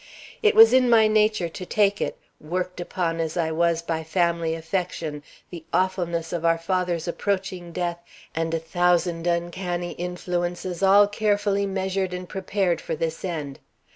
"It was in my nature to take it, worked upon as I was by family affection, the awfulness of our father's approaching death, and a thousand uncanny influences all carefully measured and prepared for this end.